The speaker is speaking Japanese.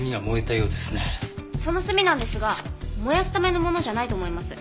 その炭なんですが燃やすためのものじゃないと思います。